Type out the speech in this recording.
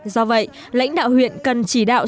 do vậy lãnh đạo huyện cần chỉ đạo